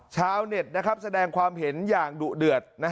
ชาวเน็ตแสดงความเห็นอย่างดุเดือด